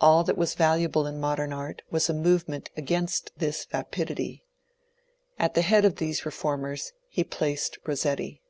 All that was valuable in modem art was a movement against this vapidity. At the head of these reformers he placed Rossetti.